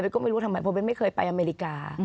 ก็ไม่รู้ทำไมเพราะเบ้นไม่เคยไปอเมริกา